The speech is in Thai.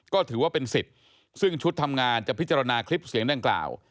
ก็ถือว่าเป็นสิทธิ์ซึ่งชุดทำงานจะพิจารณาคลิปเสียงดังกล่าว